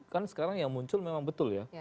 kan sekarang yang muncul memang betul ya